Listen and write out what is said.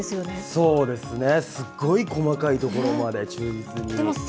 そうですね、すっごい細かいところまで忠実に。